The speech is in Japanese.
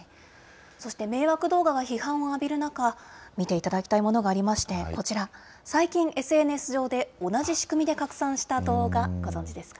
そして迷惑動画が批判を浴びる中、見ていただきたいものがありまして、こちら、最近、ＳＮＳ上で同じ仕組みで拡散した動画、ご存じですか。